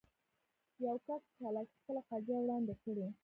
يو کس په چالاکي خپله قضيه وړاندې کړي.